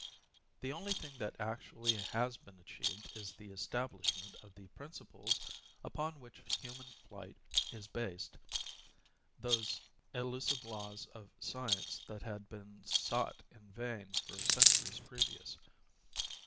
The only thing that actually has been achieved is the establishment of the principles upon which human flight is based â€" those elusive laws of science that had been sought in vain for centuries previous.